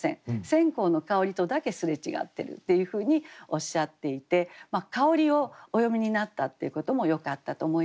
線香の香りとだけ擦れ違ってるっていうふうにおっしゃっていて香りをお詠みになったっていうこともよかったと思いますし。